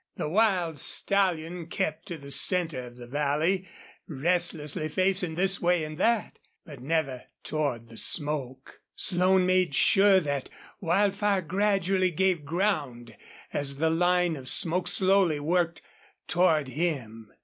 The wild stallion kept to the center of the valley, restlessly facing this way and that, but never toward the smoke. Slone made sure that Wildfire gradually gave ground as the line of smoke slowly worked toward him.